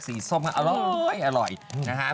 สีส้มอร่อยอร่อยนะฮะ